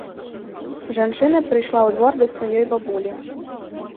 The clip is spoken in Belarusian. Жанчына прыйшла ў двор да сваёй бабулі.